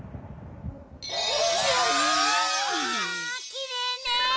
きれいねえ！